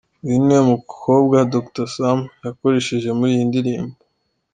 Uyu niwe mukobwa Dr Sam yakoresheje muri iyo ndirimbo.